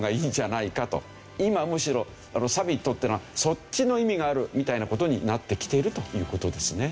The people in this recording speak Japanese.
今むしろサミットってのはそっちの意味があるみたいな事になってきているという事ですね。